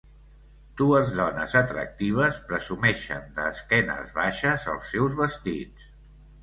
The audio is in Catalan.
Dues dones atractives presumeixen de esquenes baixes als seus vestits.